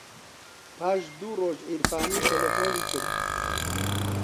پاش دوو ڕۆژ عیرفانی تەلەفۆنی کرد.